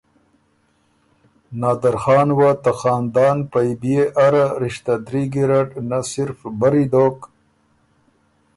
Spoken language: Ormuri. نادرخان وه ته خاندان پئ بيې اره رشته دري ګیرډ نۀ صرف بري دوک